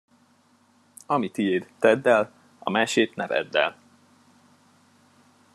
Ami tiéd, tedd el, a másét ne vedd el.